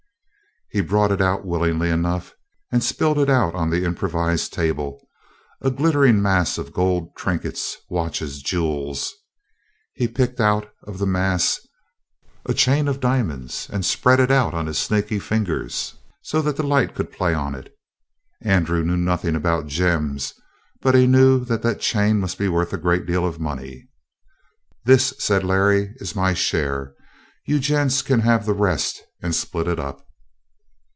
He brought it out willingly enough and spilled it out on the improvised table, a glittering mass of gold trinkets, watches, jewels. He picked out of the mass a chain of diamonds and spread it out on his snaky fingers so that the light could play on it. Andrew knew nothing about gems, but he knew that the chain must be worth a great deal of money. "This," said Larry, "is my share. You gents can have the rest and split it up."